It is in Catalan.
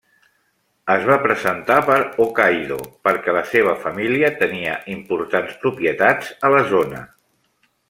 Es va presentar per Hokkaido perquè la seva família tenia importants propietats a la zona.